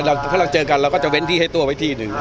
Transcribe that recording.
เดี๋ยวเราก็จะเว้นที่ให้ตัวไว้ที่หนึ่ง